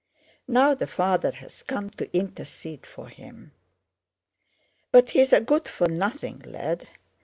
Now the father has come to intercede for him. But he's a good for nothing lad!